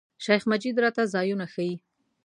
شیخ مجید راته ځایونه ښیي.